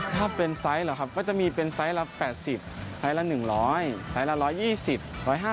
ถ้าเป็นไซส์เหรอครับก็จะมีเป็นไซส์ละ๘๐ไซส์ละ๑๐๐